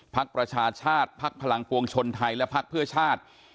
ประชาชาติภักดิ์พลังปวงชนไทยและพักเพื่อชาติ